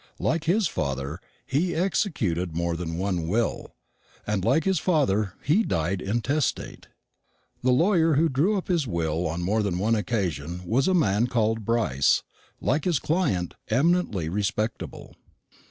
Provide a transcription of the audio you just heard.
Like his father, he executed more than one will; and, like his father, he died intestate. The lawyer who drew up his will on more than one occasion was a man called Brice like his client, eminently respectable.